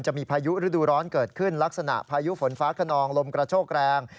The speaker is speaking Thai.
พายุฤดูร้อนเกิดขึ้นลักษณะพายุฝนฟ้าขนองลมกระโชกแรง